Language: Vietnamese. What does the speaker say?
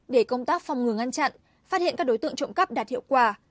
để công tác phòng ngừa ngăn chặn phát hiện các đối tượng trộm cắp đạt hiệu quả